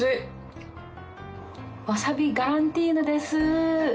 わさびガランティーヌです。